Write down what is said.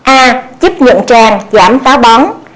a giúp nhuận tràng giảm táo bóng